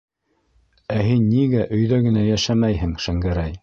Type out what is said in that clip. Ә һин нигә өйҙә генә йәшәмәйһең, Шәңгәрәй?